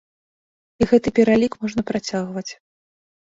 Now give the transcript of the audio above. І гэты пералік можна працягваць.